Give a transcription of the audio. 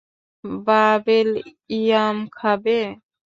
Bubble ইয়াম খাবে?